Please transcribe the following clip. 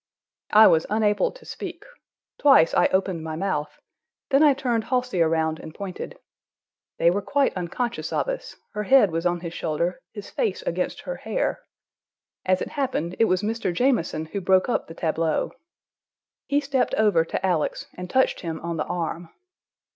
I was unable to speak. Twice I opened my mouth: then I turned Halsey around and pointed. They were quite unconscious of us; her head was on his shoulder, his face against her hair. As it happened, it was Mr. Jamieson who broke up the tableau. He stepped over to Alex and touched him on the arm.